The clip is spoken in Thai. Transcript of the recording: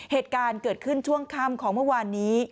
เหตุการณ์เกิดขึ้นช่วงค่ำของเมื่อวานนี้